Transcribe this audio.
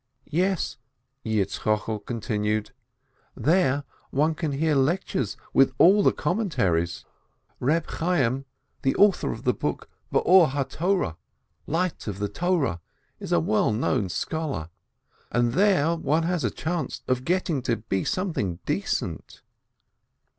"Yes," Yitzchokel continued, "there one can hear lectures with all the commentaries; Eeb Chayyim, the 523 ASCH author of the book "Light of the Torah," is a well known scholar, and there one has a chance of getting to be something decent."